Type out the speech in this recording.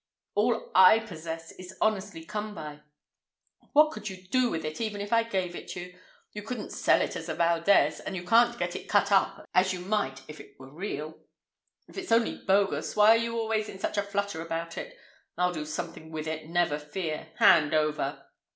All I possess is honestly come by. What could you do with it, even if I gave it you? You couldn't sell it as the Valdez, and you can't get it cut up as you might if it were real." "If it's only bogus, why are you always in such a flutter about it? I'll do something with it, never fear. Hand over."